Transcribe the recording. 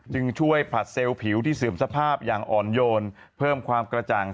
จึงช่วยผลัดเซลล์ผิวที่เสื่อมสภาพอย่างอ่อนโยนเพิ่มความกระจ่าง